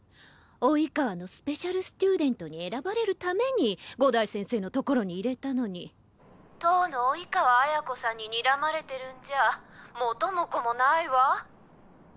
「生川」のスペシャルステューデントに選ばれるために五代先生のところに入れたのに当の生川綾子さんににらまれてるんじゃあ元も子もないわ。